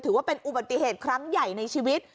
ถือว่าเป็นอุบัติเหตุครั้งใหญ่ในชีวิต